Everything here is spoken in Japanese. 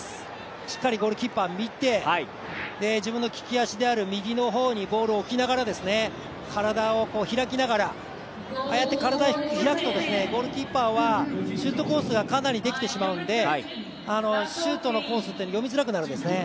しっかりゴールキーパーを見て、自分の利き足である右の方にボールを置きながら体を開きながらああやって体を開くとゴールキーパーはシュートコースはかなりできてしまうんでシュートのコースって読みづらくなるんですね。